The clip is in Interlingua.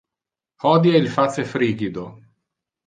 Hodie il face frigido.